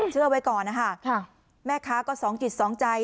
เชื่อไว้ก่อนนะคะแม่ค้าก็สองจิตสองใจ